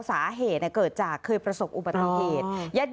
สาเหตุเกิดจากเคยประสบอุบัติเหตุ